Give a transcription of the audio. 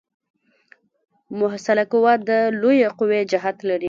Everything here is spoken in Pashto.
محصله قوه د لویې قوې جهت لري.